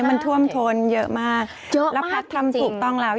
มันท่วมทนเยอะมากแล้วแพทย์ทำถูกต้องแล้ว